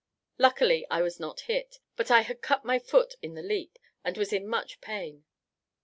Luckily I was not hit, but I had cut my foot in the leap, and was in much pain.